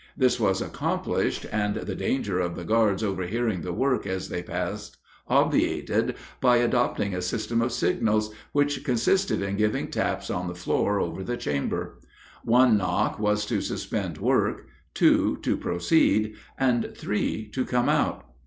This was accomplished, and the danger of the guards overhearing the work as they passed obviated, by adopting a system of signals, which consisted in giving taps on the floor over the chamber. One knock was to suspend work, two to proceed, and three to come out.